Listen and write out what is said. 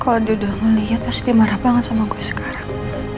kalau dia udah ngeliat pasti dia marah banget sama gue sekarang